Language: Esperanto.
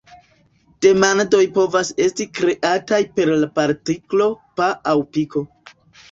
Demandoj povas esti kreataj per la partiklo -"pa" aŭ "piko".